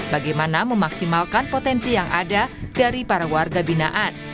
bagaimana memaksimalkan potensi yang ada dari para warga binaan